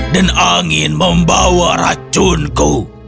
dan angin membawa racunku